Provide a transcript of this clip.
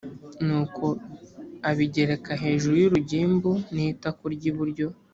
nuko abigereka hejuru y urugimbu n’ itako ry’ iburyo